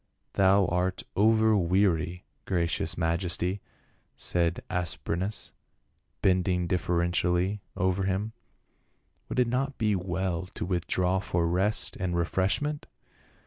"Thou art over weary, gracious majesty," said As prenas, bending deferentially over him. "Would it not be well to withdraw for rest and refreshment